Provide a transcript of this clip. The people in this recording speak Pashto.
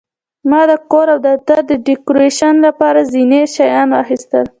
ما د کور او دفتر د ډیکوریشن لپاره زینتي شیان واخیستل.